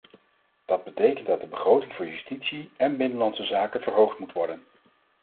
Dat betekent dat de begroting voor justitie en binnenlandse zaken verhoogd moet worden.